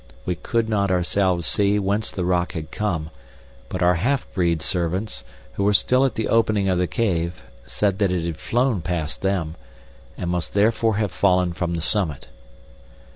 We could not ourselves see whence the rock had come, but our half breed servants, who were still at the opening of the cave, said that it had flown past them, and must therefore have fallen from the summit.